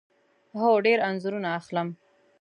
هو، ډیر انځورونه اخلم